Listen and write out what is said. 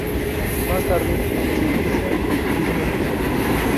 Más tarde se inicia el turismo social.